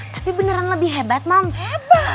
tapi beneran lebih hebat mama hebat